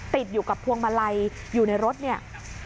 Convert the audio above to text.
ติดอยู่กับพวงมาลัยอยู่ในรถเนี่ย